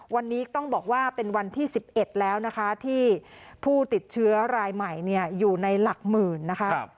วันนี้ต้องบอกว่าเป็นวันที่๑๑แล้วนะคะที่ผู้ติดเชื้อรายใหม่อยู่ในหลักหมื่นนะคะ